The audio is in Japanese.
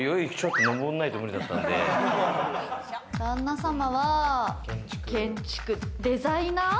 旦那様は建築、デザイナー？